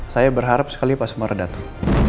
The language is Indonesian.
saya berharap sekali pak sumar datang